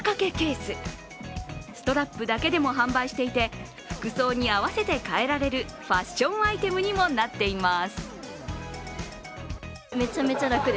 ストラップだけでも販売していて服装に合わせてかえられるファッションアイテムにもなっています。